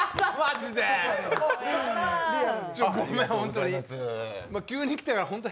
ちょ、ごめん、ホントに。